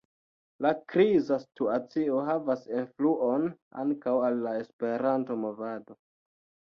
La kriza situacio havas influon ankaŭ al la Esperanto-movado.